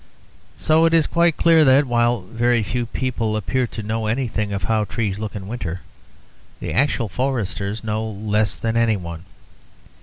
So it is quite clear that, while very few people appear to know anything of how trees look in winter, the actual foresters know less than anyone.